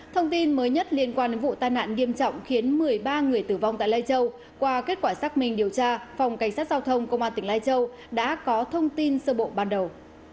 thông tin mới nhất liên quan đến vụ tai nạn nghiêm trọng khiến một mươi ba người tử vong tại lai châu qua kết quả xác minh điều tra phòng cảnh sát giao thông công an tỉnh lai châu đã có thông tin sơ bộ ban đầu